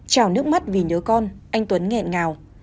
trào nước mắt vì nhớ con anh tuấn nghẹn ngào